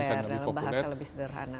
lebih populer dalam bahasa lebih sederhana